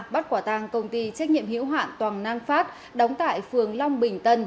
bắt quả tăng công ty trách nhiệm hữu hạn toàn nang phát đóng tại phường long bình tân